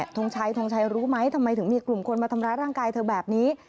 ทงชัยทงชัยรู้ไหมทำไมถึงมีกลุ่มคนมาทำร้ายร่างกายเธอแบบนี้